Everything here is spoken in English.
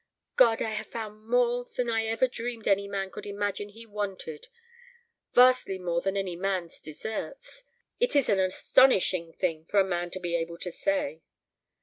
God! I have found more than I ever dreamed any man could imagine he wanted. Vastly more than any man's deserts. It is an astonishing thing for a man to be able to say."